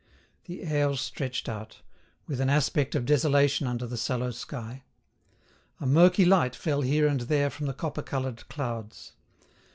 The Aire stretched out, with an aspect of desolation under the sallow sky. A murky light fell here and there from the copper coloured clouds.